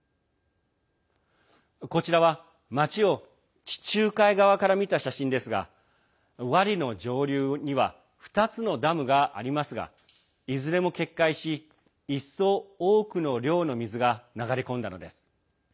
こちらは町を地中海側から見た写真ですがワディの上流には２つのダムがありますがいずれも決壊し、一層多くの量の水が流れ込んだのです。